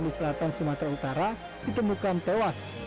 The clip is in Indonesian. di selatan sumatera utara ditemukan tewas